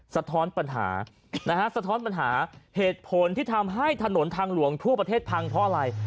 สะท้อนปัญหาเหตุผลที่ทำให้ถนนทางหลวงทั่วประเทศพังเพราะอะไร